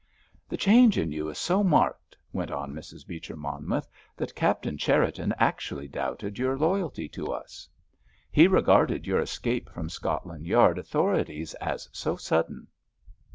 "The change in you is so marked," went on Mrs. Beecher Monmouth, "that Captain Cherriton actually doubted your loyalty to us. He regarded your escape from Scotland Yard authorities as so sudden."